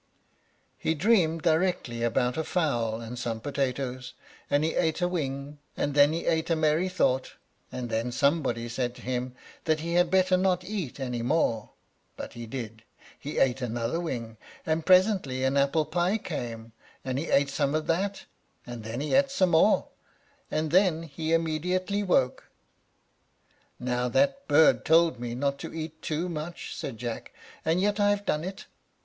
He dreamt directly about a fowl and some potatoes, and he ate a wing, and then he ate a merry thought, and then somebody said to him that he had better not eat any more, but he did, he ate another wing; and presently an apple pie came, and he ate some of that, and then he ate some more, and then he immediately woke. "Now that bird told me not to eat too much," said Jack, "and yet I have done it.